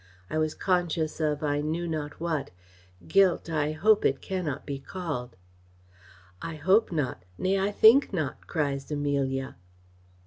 I was conscious of I knew not what guilt I hope it cannot be called." "I hope not, nay, I think not," cries Amelia.